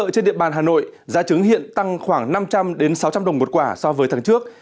trên địa bàn hà nội giá trứng hiện tăng khoảng năm trăm linh sáu trăm linh đồng một quả so với tháng trước